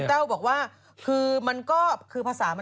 จากกระแสของละครกรุเปสันนิวาสนะฮะ